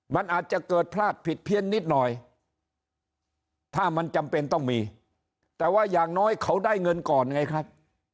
มันอาจจะเกิดพลาดผิดเพี้ยนนิดหน่อยถ้ามันจำเป็นต้องมีแต่ว่าอย่างน้อยเขาได้เงินก่อนไงครับ